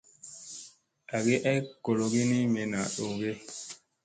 Agi ay gologi ni me dow ge.